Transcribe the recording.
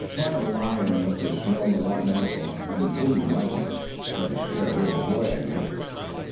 "My lion must have smelled the rotten apple and didn't like it. He tried to scare away the boy, I guess."